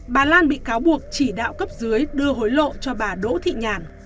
bà lan bị cáo buộc chỉ đạo cấp dưới đưa hối lộ cho bà đỗ thị nhàn